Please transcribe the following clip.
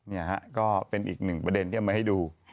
นี่ฮะก็เป็นอีกหนึ่งประเด็นที่เอามาให้ดู